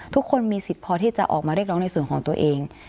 ทุกคนมีสิทธิ์พอที่จะออกมาเรียกร้องในส่วนของตัวเอง